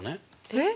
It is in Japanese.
えっ？